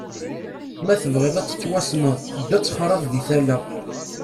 Ma tebɣiḍ ad tettwassneḍ, ddu ad texraḍ di tala.